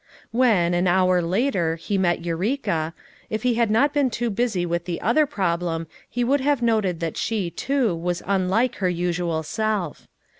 When, an hour later, he met Eureka, if he had not heen too busy with the other problem he would have noted that she, too, was unlike her usual self.